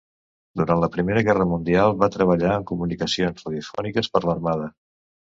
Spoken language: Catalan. Durant la Primera Guerra Mundial va treballar en comunicacions radiofòniques per l'armada.